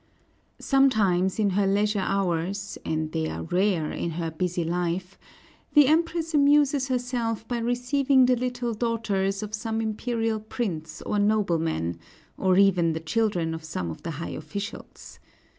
Sometimes in her leisure hours and they are rare in her busy life the Empress amuses herself by receiving the little daughters of some imperial prince or nobleman, or even the children of some of the high officials.